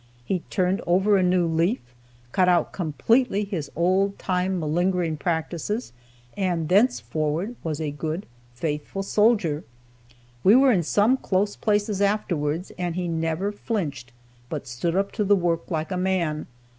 He turned over a new leaf, cut out completely his old time malingering practices, and thenceforward was a good, faithful soldier. We were in some close places afterwards, and he never flinched, but stood up to the work like a man.